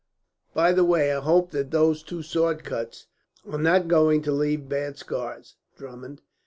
"By the way, I hope that those two sword cuts are not going to leave bad scars, Drummond.